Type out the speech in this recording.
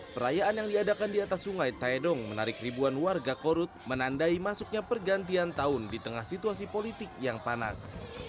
perayaan yang diadakan di atas sungai taedong menarik ribuan warga korut menandai masuknya pergantian tahun di tengah situasi politik yang panas